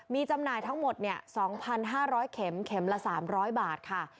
มีจำหน่ายทั้งหมด๒๕๐๐เข็มเข็มละ๓๐๐บาทค่ะ